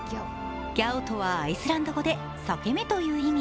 ギャオとはアイスランド語で裂け目という意味。